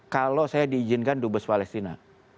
kalau saya diizinkan dubes palestina